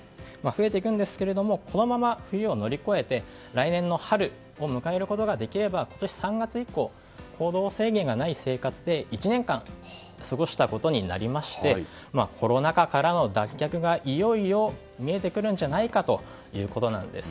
増えていくんですけれどこのまま冬を乗り越えて来年の春を迎えることができれば今年３月以降行動制限がない生活で１年間、過ごしたことになりましてコロナ禍からの脱却がいよいよ見えてくるんじゃないかということなんです。